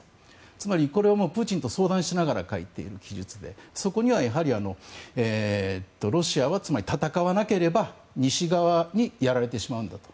つまり、これはプーチンと相談しながら書いている記述でそこには、やはりロシアは戦わなければ西側にやられてしまうんだと。